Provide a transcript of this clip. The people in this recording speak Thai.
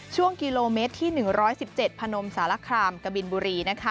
ช่วงกิโลเมตรที่๑๑๗พศกบินบุรี